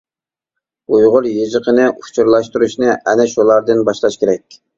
ئۇيغۇر يېزىقىنى ئۇچۇرلاشتۇرۇشنى ئەنە شۇلاردىن باشلاش كېرەك.